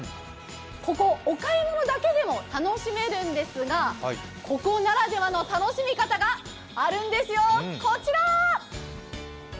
ここ、お買い物だけでも楽しめるんですが、ここならではの楽しみ方あるんですよ。